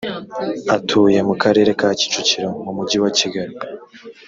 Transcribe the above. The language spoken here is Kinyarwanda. atuye mu karere ka kicukiro mu mujyi wa kigali